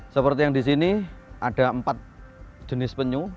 seperti yang di sini ada empat jenis penyu